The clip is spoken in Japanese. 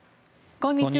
こんにちは。